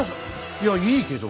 いやいいけど。